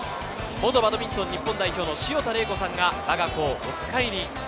元バドミントン日本代表の潮田玲子さんがわが子をおつかいに！